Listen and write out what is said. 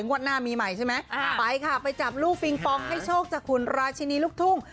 งวดหน้ามีใหม่ใช่ไหมไปค่ะไปจับลูกปิงปองให้โชคจากคุณราชินีลูกทุ่ง